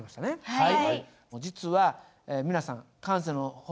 はい。